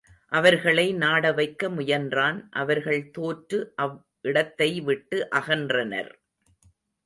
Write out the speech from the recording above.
அவர்களை நாட வைக்க முயன்றான் அவர்கள் தோற்று அவ் இடத்தை விட்டு அகன்றனர்.